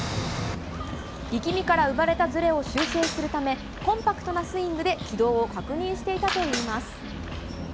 力みから生まれたずれを修正するため、コンパクトなスイングで軌道を確認していたといいます。